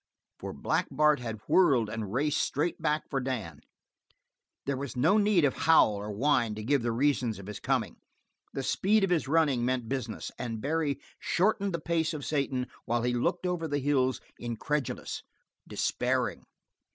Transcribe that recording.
For Black Bart had whirled and raced straight back for Dan. There was no need of howl or whine to give the reason of his coming; the speed of his running meant business, and Barry shortened the pace of Satan while he looked over the hills, incredulous, despairing.